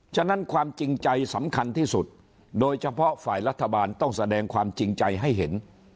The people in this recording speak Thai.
ฉะนั้นความจริงใจสำคัญที่สุดโดยเฉพาะฝ่ายรัฐบาลต้องแสดงความจริงใจให้เห็น